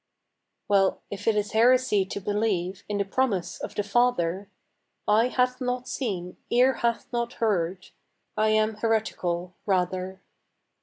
Well, if it is heresy to believe In the promise of the Father, "Eye hath not seen, ear hath not heard," I am heretical, rather.